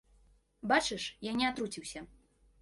Бачыш, я не атруціўся.